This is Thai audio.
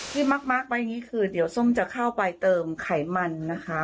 ที่มากมากไปอย่างงี้คือเดี๋ยวส้มจะเข้าไปเติมไขมันนะคะ